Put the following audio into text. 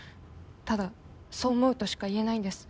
ただそう思うとしか言えないんです。